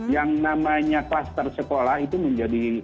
yang namanya kluster sekolah itu menjadi